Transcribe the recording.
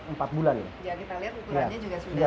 ya kita lihat ukurannya juga sudah lebih besar